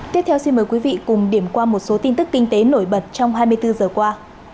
tiếp theo xin mời quý vị cùng điểm qua một số tin tức kinh tế nổi bật trong hai mươi bốn giờ qua